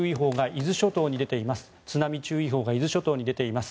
津波注意報が伊豆諸島に出ています。